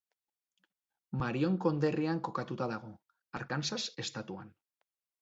Marion konderrian kokatuta dago, Arkansas estatuan.